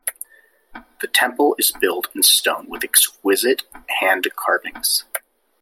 The temple is built in stone with exquisite hand carvings.